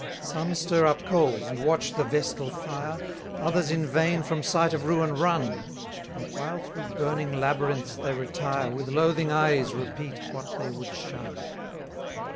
257 Some stir up coals, and watch the vestal fire, Others in vain from sight of ruin run; And, while through burning labyrinths they retire, With loathing eyes repeat what they would shun.